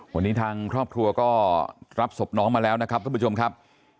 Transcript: วันนี้ทางครอบครัวก็รับศพน้องมาแล้วนะครับท่านผู้ชมครับ